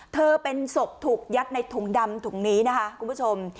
เธอเป็นศพถูกยัดในถุงดำถุงนี้นะคะคุณผู้ชม